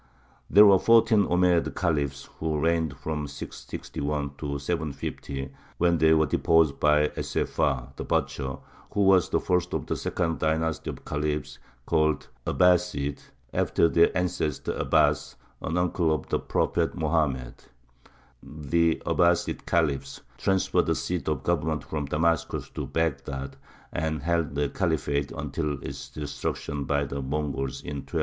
There were fourteen Omeyyad Khalifs, who reigned from 661 to 750, when they were deposed by Es Seffāh, "the Butcher," who was the first of the second dynasty of Khalifs, called Abbāside, after their ancestor Abbās, an uncle of the Prophet Mohammed. The Abbāside Khalifs transferred the seat of government from Damascus to Baghdad, and held the Khalifate until its destruction by the Mongols in 1258.